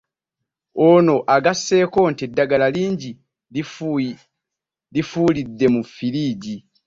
Ono agasseeko nti eddagala lingi lifiiridde mu ffiriigi